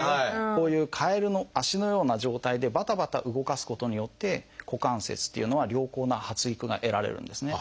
こういうカエルの脚のような状態でバタバタ動かすことによって股関節っていうのは良好な発育が得られるんですね。